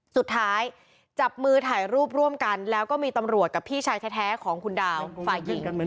สุดท้ายจับมือถ่ายรูปร่วมกันแล้วก็มีตำรวจกับพี่ชายแท้ของคุณดาวฝ่ายหญิง